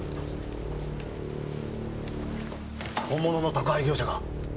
本物の宅配業者か？